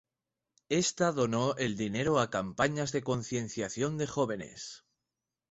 Ésta donó el dinero a campañas de concienciación de jóvenes.